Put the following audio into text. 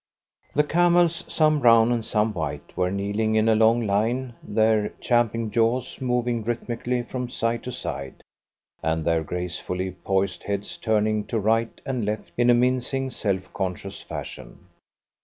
The camels, some brown and some white, were kneeling in a long line, their champing jaws moving rhythmically from side to side, and their gracefully poised heads turning to right and left in a mincing, self conscious fashion.